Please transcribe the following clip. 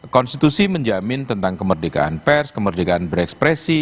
konstitusi menjamin tentang kemerdekaan pers kemerdekaan berekspresi